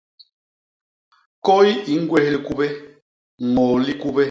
Kôy i ñgwés likubé; ññôô likubé.